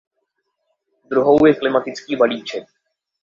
Druhou je klimatický balíček.